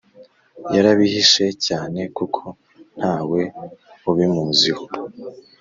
yarabihishe cyane kuko ntawe ubimuziho